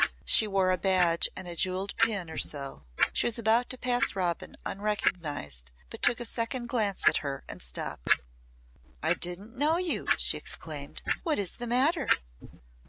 She wore a badge and a jewelled pin or so. She was about to pass Robin unrecognised but took a second glance at her and stopped. "I didn't know you," she exclaimed. "What is the matter?"